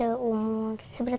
ayah lama disininya udah lama